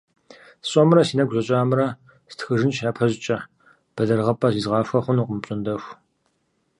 СщӀэмрэ си нэгу щӀэкӀамрэ стхыжынщ япэщӀыкӀэ – бэлэрыгъыпӀэ зизгъахуэ хъунукъым апщӀондэху…